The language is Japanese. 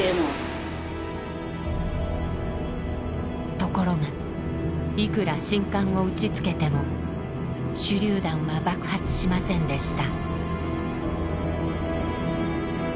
ところがいくら信管を打ちつけても手りゅう弾は爆発しませんでした。